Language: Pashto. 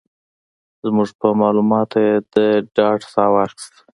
زموږ په مالوماتو یې د ډاډ ساه واخيسته.